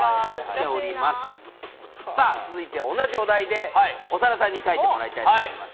続いては同じお題で長田さんに描いてもらいたいと思います。